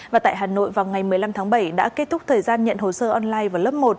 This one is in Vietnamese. và tại hà nội vào ngày một mươi năm tháng bảy đã kết thúc thời gian nhận hồ sơ online vào lớp một